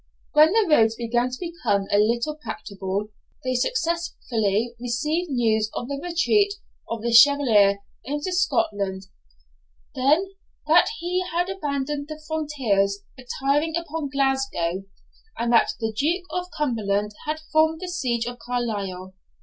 When the roads began to become a little practicable, they successively received news of the retreat of the Chevalier into Scotland; then, that he had abandoned the frontiers, retiring upon Glasgow; and that the Duke of Cumberland had formed the siege of Carlisle.